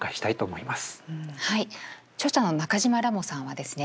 はい著者の中島らもさんはですね